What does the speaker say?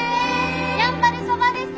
やんばるそばです！